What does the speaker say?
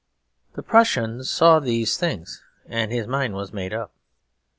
The Prussian saw these things and his mind was made up.